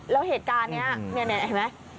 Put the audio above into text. แล้วเหตุการณ์นี้เนี่ยเห็นไหม